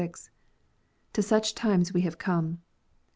To such times we have come.